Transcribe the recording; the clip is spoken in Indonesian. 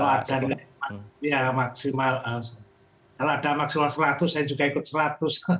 ya maksimal kalau ada maksimal seratus saya juga ikut seratus